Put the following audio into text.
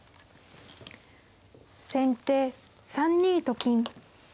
先手３二と金。